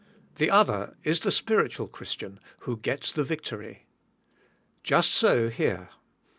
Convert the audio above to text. The other is the spiritual Christian, who gets the victory. Just so here.